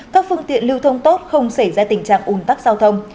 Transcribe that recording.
các phương tiện lưu thông tốt không xảy ra tình trạng ủn tắc giao thông